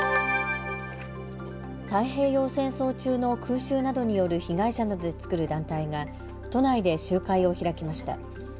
太平洋戦争中の空襲などによる被害者などで作る団体が都内で集会を開きました。